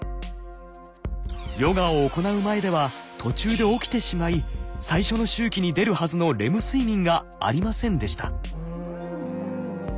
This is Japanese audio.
ヨガを行う前では途中で起きてしまい最初の周期に出るはずのレム睡眠がありませんでした。